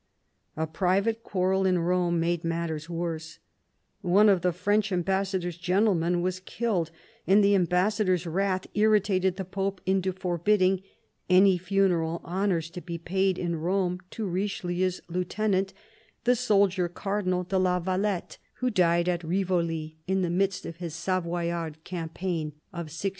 A private quarrel in Rome made matters worse; one of the French Ambassador's gentlemen was killed, and the ambassador's wrath irritated the Pope into forbidding any funeral honours to be paid in Rome to Richelieu's lieutenant, the soldier Cardinal de la Valette, 18 274 CARDINAL DE KlCHEHiiU who died at Rivoli in the midst of his Savoyard campaign of 1639.